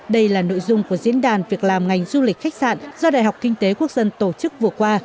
đây là nội dung của diễn đàn việc làm ngành du lịch khách sạn do đại học kinh tế quốc dân tổ chức vừa qua